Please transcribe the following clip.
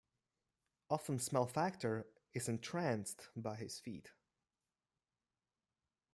Often Smell Factor is entranced by his feed.